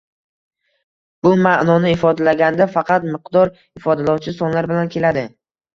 Bu maʼnoni ifodalaganda faqat miqdor ifodalovchi sonlar bilan keladi